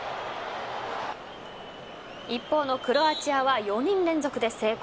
一方のクロアチアは４人連続で成功。